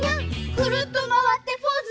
くるっとまわってポーズ！